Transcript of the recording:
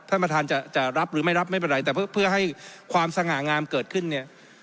ท่านประธานจะรับหรือไม่รับไม่เป็นไรแต่เพื่อให้ความสง่างามเกิดขึ้นเนี่ย